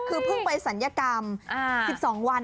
คือเพิ่งไปศัลยกรรม๑๒วัน